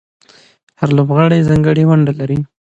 هر لوبغاړی ځانګړې ونډه لري.